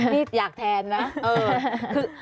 นี่อยากแทนนะ